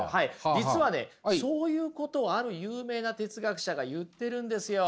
実はねそういうことをある有名な哲学者が言ってるんですよ。